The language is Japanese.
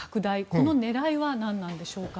この狙いはなんなんでしょうか。